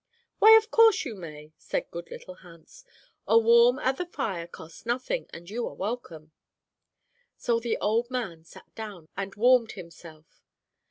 "'Why of course you may,' said good little Hans. 'A warm at the fire costs nothing, and you are welcome.' "So the old man sat down and warmed himself.